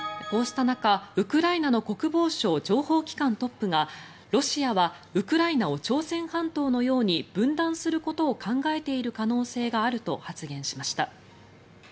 こうした中、ウクライナの国防省情報機関トップがロシアはウクライナを朝鮮半島のように分断することを考えている可能性があると発言しました。